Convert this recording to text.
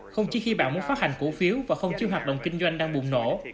không chỉ khi bạn muốn phát hành cổ phiếu và không chịu hoạt động kinh doanh đang bùng nổ